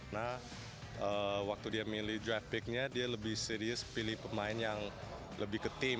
nah waktu dia milih grafiknya dia lebih serius pilih pemain yang lebih ke tim